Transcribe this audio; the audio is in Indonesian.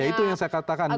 ya itu yang saya katakan